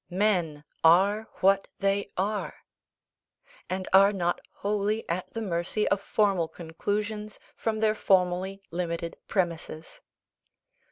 "Men are what they are," and are not wholly at the mercy of formal conclusions from their formally limited premises.